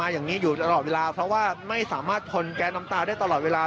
อย่างนี้อยู่ตลอดเวลาเพราะว่าไม่สามารถทนแก๊สน้ำตาได้ตลอดเวลา